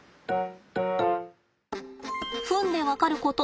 フンで分かること